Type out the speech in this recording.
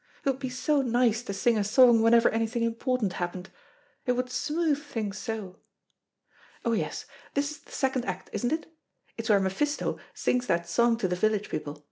It would be so nice to sing a song whenever anything important happened. It would smooth things so. Oh, yes, this is the second act, isn't it? It's where Mephisto sings that song to the village people.